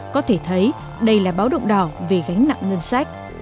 có thể thấy đây là báo động đỏ về gánh nặng ngân sách